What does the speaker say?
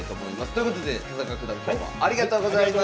ということで田中九段今日はありがとうございました。